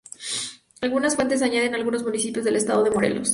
Algunas fuentes añaden algunos municipios del estado de Morelos.